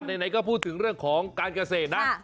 ไหนก็พูดถึงเรื่องของการเกษตรนะ